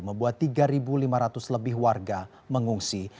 membuat tiga lima ratus lebih warga mengungsi